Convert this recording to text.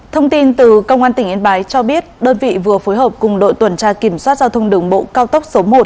thông tin từ công an tỉnh yên bái cho biết đơn vị vừa phối hợp cùng đội tuần tra kiểm soát giao thông đường bộ cao tốc số một